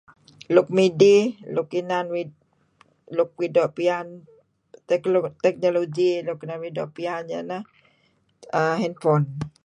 Luk midih luk inan uih luk uih doo' piyan, teknologi nuk inan uih doo' piyan uhm iyeh ineh handphone.